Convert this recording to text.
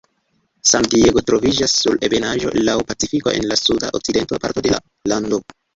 San-Diego troviĝas sur ebenaĵo laŭ Pacifiko en la sud-okcidenta parto de la lando.